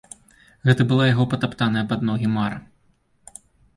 Гэта была яго патаптаная пад ногі мара.